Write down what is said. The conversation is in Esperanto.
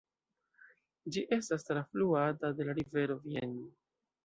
Ĝi estas trafluata de la rivero Vienne.